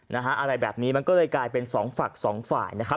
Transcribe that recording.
อะไรแบบนี้มันก็เลยกลายเป็นสองฝั่งสองฝ่ายนะครับ